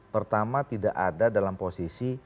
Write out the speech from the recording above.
pertama tidak ada dalam posisi